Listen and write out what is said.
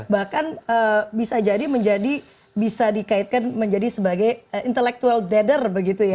bahkan bisa jadi menjadi bisa dikaitkan menjadi sebagai intellectual dader begitu ya